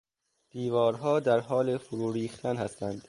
دیوارها در حال فرو ریختن هستند.